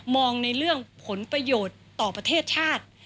ในเรื่องผลประโยชน์ต่อประเทศชาติ